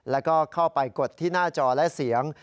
แล้วก็เข้าไปกดที่หน้าจอและเสียง